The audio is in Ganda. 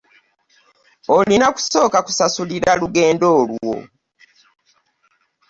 Olina kusooka kusasulira lugendo olwo.